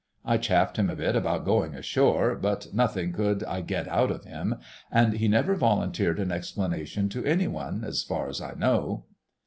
I chaffed him a bit about going ashore, but nothing could I get out of him, and he never volunteered an explanation to any one, as far as I know."